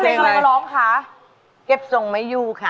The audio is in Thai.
เดี๋ยวก่อนอื่นเลยเอาอะไรมาบ้างครับที่หิวมาเนี่ยครับ